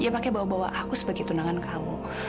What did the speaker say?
ya pake bawa bawa aku sebagai tunangan kamu